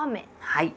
はい。